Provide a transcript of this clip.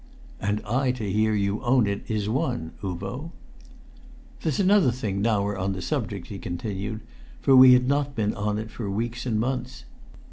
"And I to hear you own it is one, Uvo!" "There's another thing, now we're on the subject," he continued, for we had not been on it for weeks and months.